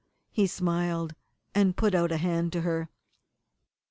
"] He smiled, and put out a hand to her.